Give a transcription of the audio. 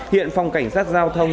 hiện phòng cảnh sát giao thông